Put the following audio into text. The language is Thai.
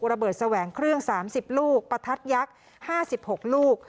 ระเบิดแสวงเครื่อง๓๐ลูกประทัดยักษ์๕๖ลูก